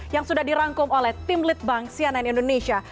yang sudah dirangkum oleh tim lead bank cnn indonesia